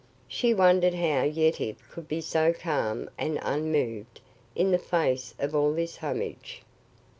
She wondered how Yetive could be so calm and unmoved in the face of all this homage.